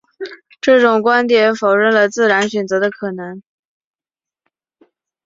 这种观点否认了自然选择的可能。